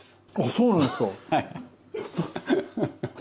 そうなんですね。